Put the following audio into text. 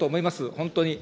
本当に。